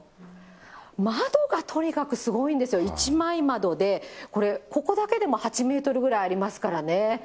窓がとにかくすごいんですよ、一枚窓で、これ、ここだけでも８メートルぐらいありますからね。